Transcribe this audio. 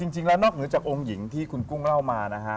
จริงแล้วนอกเหนือจากองค์หญิงที่คุณกุ้งเล่ามานะฮะ